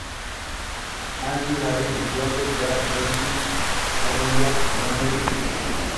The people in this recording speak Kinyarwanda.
kandi hari ibyondo bya boggy hariya no muri